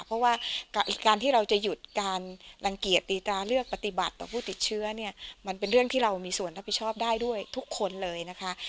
เพราะว่าการที่เราจะหยุดการรังเกียจตีตราเลือกปฏิบัติต่อผู้ติดเชื้อเนี่ยมันเป็นเรื่องที่เรามีส่วนรับผิดชอบได้ด้วยทุกคนเลยนะคะ